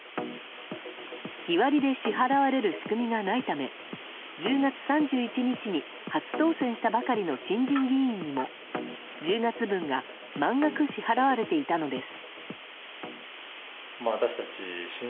日割りで支払われる仕組みがないため１０月３１日に初当選したばかりの新人議員にも１０月分が満額支払われていたのです。